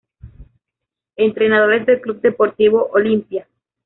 Entrenadores del Club Deportivo Olimpia